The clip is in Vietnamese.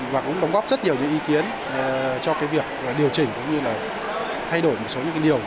và cũng đóng góp rất nhiều ý kiến cho việc điều chỉnh cũng như thay đổi một số điều